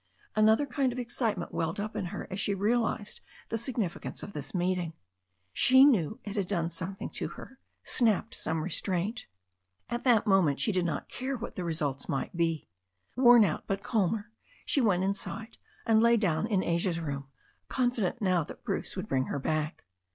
Another kind of excitement welled up in her as she realized the sig nificance of this meeting. She knew it had done something to her, snapped some restraint. At that moment she did not care what the results might be. Worn out, but calmer, she went inside and lay down in Asia's room, confident now that Bruce would bring her back.